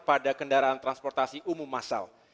pada kendaraan transportasi umum masal